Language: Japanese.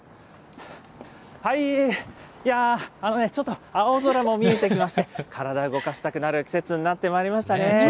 ちょっと青空も見えてきまして、体動かしたくなる季節になってきましたね。